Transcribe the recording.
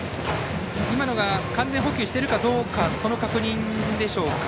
今のが完全捕球しているかどうかの確認でしょうか。